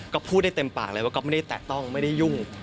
ก็พูดได้เต็มปากเลยว่าก๊อปไม่ได้แตะต้องไม่ได้ยุ่ง